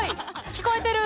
聞こえてる？